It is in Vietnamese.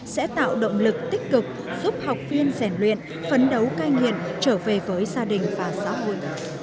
sẽ tạo động lực tích cực giúp học viên rèn luyện phấn đấu cai nghiện trở về với gia đình và xã hội